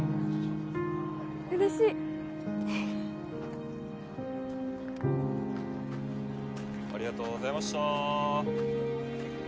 うれしいありがとうございました